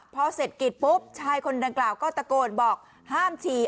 พอเสร็จกิจปุ๊บชายคนดังกล่าวก็ตะโกนบอกห้ามฉี่